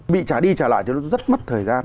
bị trả đi trả lại thì nó rất mất thời gian